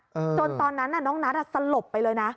จนตอนนั้นน่ะน้องนัทอ่ะสลบไปเลยนะ